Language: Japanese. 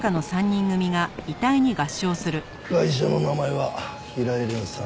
ガイシャの名前は平井蓮３０歳。